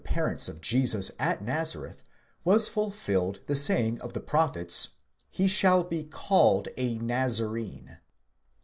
169 parents of Jesus at Nazareth was fulfilled the saying of the prophets: /7e shall be called a Nazarene.